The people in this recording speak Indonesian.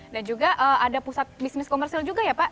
dan juga ada pusat bisnis komersil juga ya pak